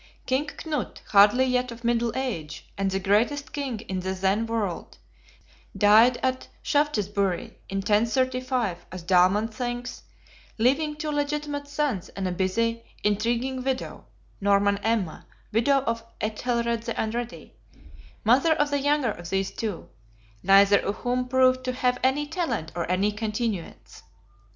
King Knut, hardly yet of middle age, and the greatest King in the then world, died at Shaftesbury, in 1035, as Dahlmann thinks , leaving two legitimate sons and a busy, intriguing widow (Norman Emma, widow of Ethelred the Unready), mother of the younger of these two; neither of whom proved to have any talent or any continuance.